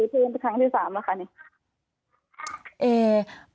ตอนนี้คือทีที่๓ครั้งที่๓แล้วค่ะ